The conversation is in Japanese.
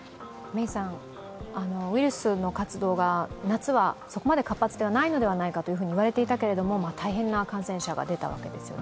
ウイルスの活動が夏はそこまで活発ではないのではないかと言われていたけれども大変な感染者が出たわけですよね。